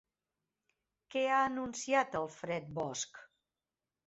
Què ha anunciat Alfred Bosch?